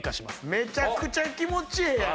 めちゃくちゃ気持ちええやん！